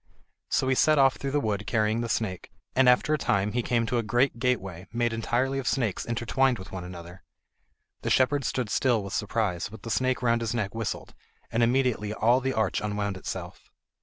So he set off through the wood carrying the snake, and after a time he came to a great gateway, made entirely of snakes intertwined one with another. The shepherd stood still with surprise, but the snake round his neck whistled, and immediately all the arch unwound itself.